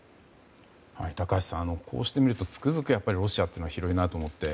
高橋さん、こうしてみるとつくづくロシアって広いなと思って。